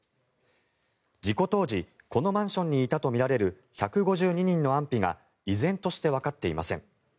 事故当時、このマンションにいたとみられる１５２人の安否が依然としてわかっていません。